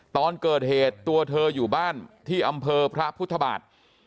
ตอนเกิดเหตุตัวเธออยู่บ้านที่อำเภอพระพุทธบาท